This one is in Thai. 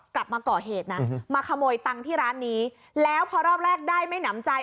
กลับมาก่อเหตุนะมาขโมยตังค์ที่ร้านนี้แล้วพอรอบแรกได้ไม่หนำใจ